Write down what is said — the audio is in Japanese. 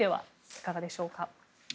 いかがでしょうか。